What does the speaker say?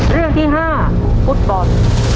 เรื่องที่๕ฟุตบอล